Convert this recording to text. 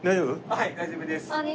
はい大丈夫です。